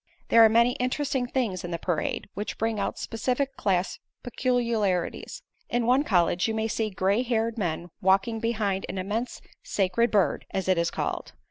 There are many interesting things in the parade, which bring out specific class peculiarities. In one college you may see gray haired men walking behind an immense Sacred Bird, as it is called.